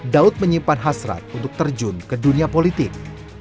daud menyimpan hasrat untuk terjun ke dunia politik